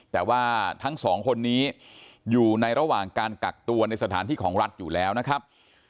แต่ว่าทั้งสองคนนี้อยู่ในระหว่างการกักตัวในสถานที่ของรัฐอยู่แล้วนะครับ